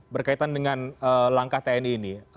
berkaitan dengan langkah tni ini